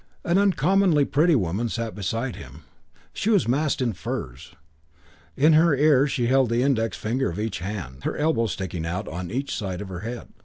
An uncommonly pretty woman sat beside him. She was massed in furs. In her ears she held the index finger of each hand, her elbows sticking out on each side of her head.